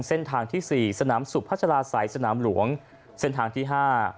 เส้นทางที่สี่สนามสุบพัชราสายสนามหลวงเส้นทางที่ห้า